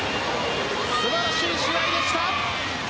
素晴らしい試合でした。